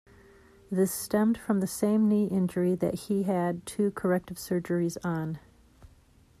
This stemmed from the same knee injury that he had two corrective surgeries on.